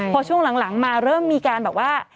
พอช่วงหลังมาเริ่มมีการแบบว่า